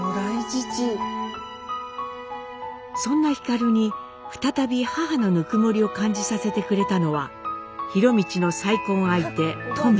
そんな皓に再び母のぬくもりを感じさせてくれたのは博通の再婚相手トメ。